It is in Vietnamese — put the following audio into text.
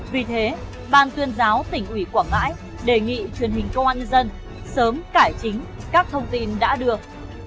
vì thế ban tuyên giáo tỉnh ủy quảng ngãi đề nghị truyền hình công an nhân dân sớm cải chính các thông tin đã được